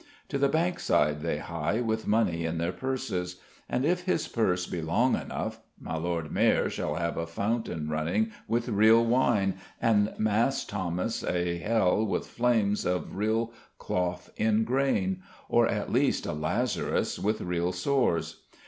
To the Bankside they hie with money in their purses: and if his purse be long enough, my Lord Mayor shall have a fountain running with real wine, and Mass Thomas a Hell with flames of real cloth in grain, or at least a Lazarus with real sores.